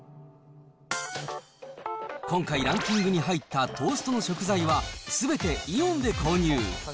今回、ランキングに入ったトーストの食材は、すべてイオンで購入。